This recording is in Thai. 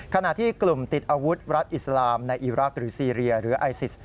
ขณะที่กลุ่มติดอาวุธรัฐอิสลามในอีรักษ์หรือซีเรียหรือไอซิส